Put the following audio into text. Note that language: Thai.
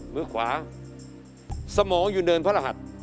มือขวาสมองอยู่เนินพระรหัส